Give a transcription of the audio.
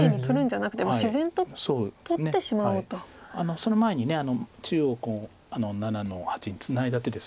その前に中央７の八にツナいだ手です。